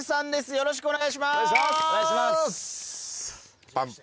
よろしくお願いします。